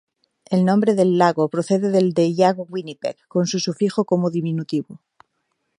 El nombre del lago procede del de lago Winnipeg, con un sufijo como diminutivo.